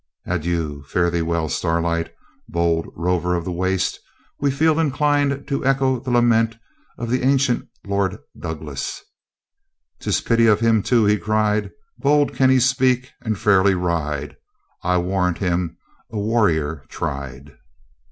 Adieu! fare thee well, Starlight, bold Rover of the Waste; we feel inclined to echo the lament of the ancient Lord Douglas "'Tis pity of him, too," he cried; "Bold can he speak, and fairly ride; I warrant him a warrior tried."